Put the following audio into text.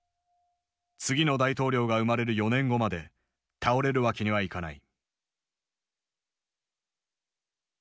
次の大統領が生まれる４年後まで倒れるわけにはいかない。